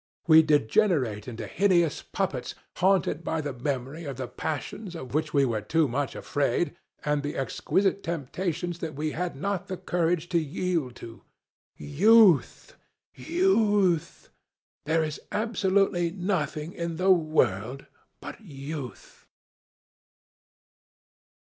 We degenerate into hideous puppets, haunted by the memory of the passions of which we were too much afraid, and the exquisite temptations that we had not the courage to yield to. Youth! Youth! There is absolutely nothing in the world but youth!"